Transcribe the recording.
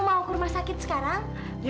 oh kamu mau ke rumah sakit sekarang